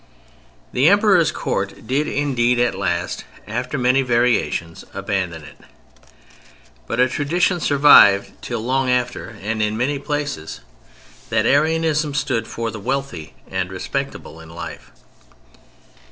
The Emperor's Court did indeed at last—after many variations—abandon it, but a tradition survived till long after (and in many places) that Arianism stood for the "wealthy" and "respectable" in life.